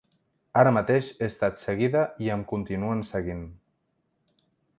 Ara mateix he estat seguida i em continuen seguint.